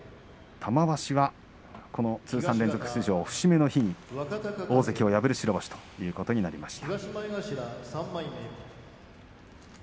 玉鷲はこの通算連続出場節目の日に大関を破る白星ということになりました。